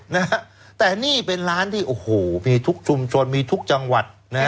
นะฮะแต่นี่เป็นร้านที่โอ้โหมีทุกชุมชนมีทุกจังหวัดนะฮะ